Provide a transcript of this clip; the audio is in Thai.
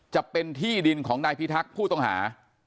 จะเป็นที่ดินของนายพิทักษ์ผู้ต้องหา